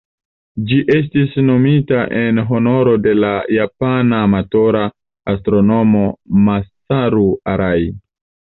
Ĝi estis nomita en honoro de la japana amatora astronomo Masaru Arai.